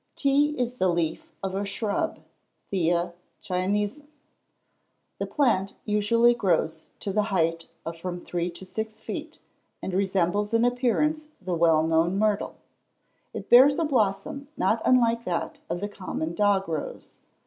_ Tea is the leaf of a shrub (Thea Chinensis). The plant usually grows to the height of from three to six feet, and resembles in appearance the well known myrtle. It bears a blossom not unlike that of the common dog rose.